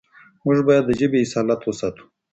موږ بايد د ژبې اصالت وساتو.